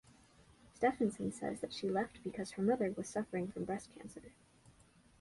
Stephenson says that she left because her mother was suffering from breast cancer.